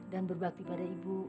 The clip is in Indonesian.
dan berbakti pada ibu